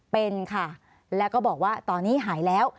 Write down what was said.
เป็นค่ะแล้วก็บอกว่าตอนนี้หายแล้ว